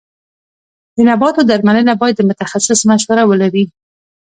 د نباتو درملنه باید د متخصص مشوره ولري.